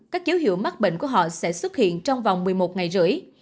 các dấu hiệu mắc bệnh của họ sẽ xuất hiện trong vòng một mươi một ngày rưỡi